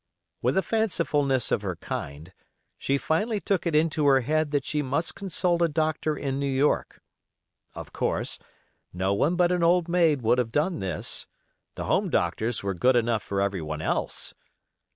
With the fancifulness of her kind, she finally took it into her head that she must consult a doctor in New York. Of course, no one but an old maid would have done this; the home doctors were good enough for everyone else.